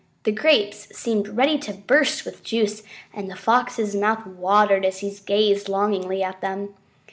The grapes seemed ready to burst with juice, and the Fox's mouth watered as he gazed longingly at them.